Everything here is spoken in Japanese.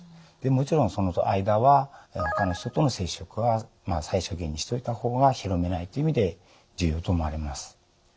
もちろんその間はほかの人との接触は最小限にしておいた方が広めないという意味で重要と思われます。